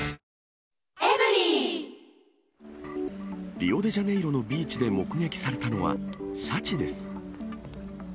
リオデジャネイロのビーチで目撃されたのは、シャチです。